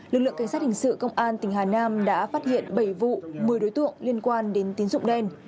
lực lượng cảnh sát hình sự công an tỉnh hà nam đã phát hiện bảy vụ một mươi đối tượng liên quan đến tín dụng đen